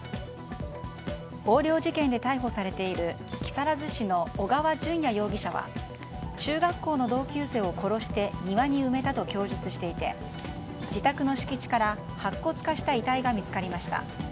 横領事件で逮捕されている木更津市の小川順也容疑者は中学校の同級生を殺して庭に埋めたと供述していて、自宅の敷地から白骨化した遺体が見つかりました。